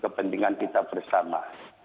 kepentingan kita bersama